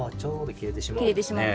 切れてしまうね。